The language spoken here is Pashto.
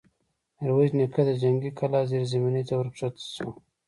ميرويس نيکه د جنګي کلا زېرزميني ته ور کښه شو.